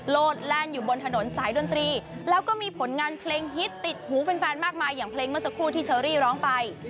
โลดแล่นอยู่บนถนนสายดนตรีแล้วก็มีผลงานเพลงฮิตติดหูแฟนมากมายอย่างเพลงเมื่อสักครู่ที่เชอรี่ร้องไป